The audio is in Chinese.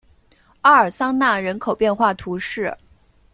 奥尔桑讷人口变化图示